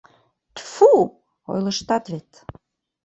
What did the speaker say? — Тьф-фу, ойлыштат вет.